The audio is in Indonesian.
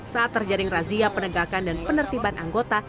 saat terjaring razia penegakan dan penertiban anggota